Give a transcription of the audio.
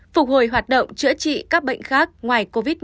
phục hồi hoạt động chữa trị các bệnh khác ngoài covid một mươi chín